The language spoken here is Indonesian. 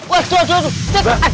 wah tuh aduh aduh